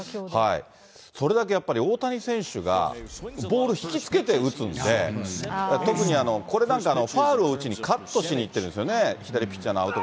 それだけやっぱり、大谷選手がボール引きつけて打つんで、特にこれなんてファウルを打ちにカットしにいってるんですよね、左ピッチャーの、アウト。